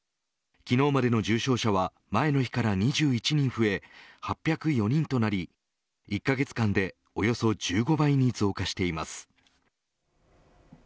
昨日までの重症者は前の日から２１人増え８０４人となり１カ月間でおよそ１５倍に増加しています。